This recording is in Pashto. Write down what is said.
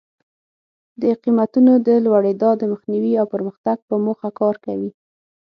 د قیمتونو د لوړېدا د مخنیوي او پرمختګ په موخه کار کوي.